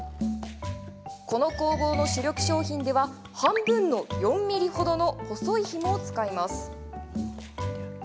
この工房の主力商品では半分の４ｍｍ程の細いひもを使います。